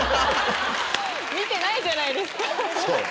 見てないじゃないですか。